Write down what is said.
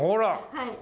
はい。